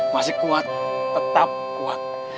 masih kuat tetap kuat